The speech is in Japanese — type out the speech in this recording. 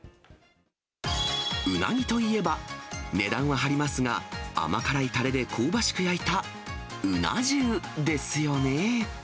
うなぎといえば、値段は張りますが、甘辛いたれで香ばしく焼いたうな重ですよね。